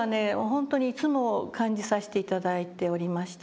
本当にいつも感じさせて頂いておりましたですね。